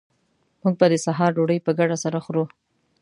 موږ به د سهار ډوډۍ په ګډه سره خورو